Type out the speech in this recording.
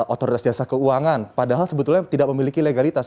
otoritas jasa keuangan padahal sebetulnya tidak memiliki legalitas